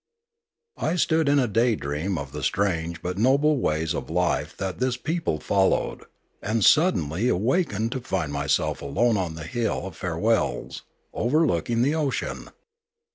I stood in a day dream of the strange but noble ways of life that this people followed, and suddenly awakened to find myself alone on the hill of farewells overlooking the ocean.